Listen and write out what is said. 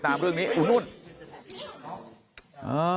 น้าสาวของน้าผู้ต้องหาเป็นยังไงไปดูนะครับ